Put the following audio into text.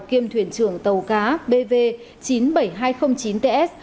kiêm thuyền trưởng tàu cá bv chín mươi bảy nghìn hai trăm linh chín ts